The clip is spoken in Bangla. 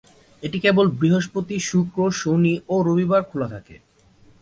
এটি কেবল বৃহস্পতি, শুক্র, শনি ও রবিবারে খোলা থাকে।